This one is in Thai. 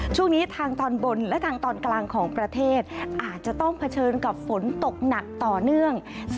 ช่วงนี้ทางตอนบนและทางตอนกลางของประเทศอาจจะต้องเผชิญกับฝนตกหนักต่อเนื่อง